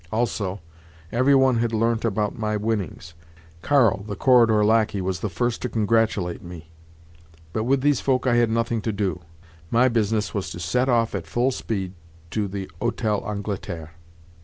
Also, every one had learnt about my winnings; Karl, the corridor lacquey, was the first to congratulate me. But with these folk I had nothing to do. My business was to set off at full speed to the Hôtel d'Angleterre.